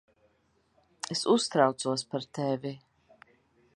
Es uztraucos par tevi.